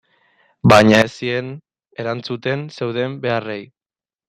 Baina ez zien erantzuten zeuden beharrei.